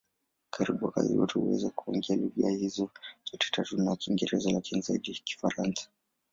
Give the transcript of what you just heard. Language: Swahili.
Karibu wakazi wote huweza kuongea lugha hizo zote tatu na Kiingereza, lakini zaidi Kifaransa.